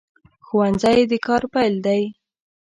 ښوونځی د کار پیل دی